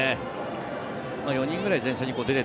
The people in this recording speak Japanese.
４人ぐらい前線に出てい